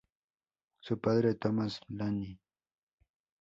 Su padre Thomas Lane Jr.